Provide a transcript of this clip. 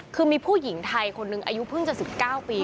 คือมีผู้หญิงไทยคนหนึ่งอายุเพิ่งจะ๑๙ปี